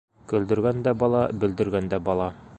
Көлдөргән дә бала, бөлдөргән дә бала.